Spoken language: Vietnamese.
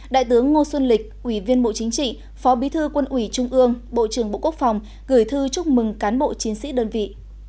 đại tướng ngô xuân lịch ủy viên bộ chính trị phó bí thư quân ủy trung ương bộ trưởng bộ quốc phòng gửi thư chúc mừng cán bộ chiến sĩ đơn vị